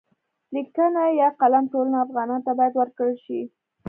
لیکانی يا قلم ټولو افغانانو ته باید ورکړل شي.